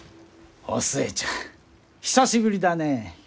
お寿恵ちゃん久しぶりだねえ！